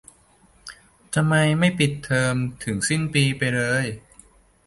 ทำไมไม่ปิดเทอมไปถึงสิ้นปีเลย